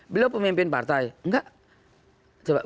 beliau pemimpin partai enggak